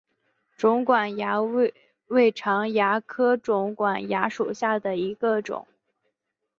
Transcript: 肿管蚜为常蚜科肿管蚜属下的一个种。